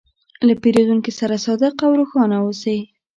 له پیرودونکي سره صادق او روښانه اوسې.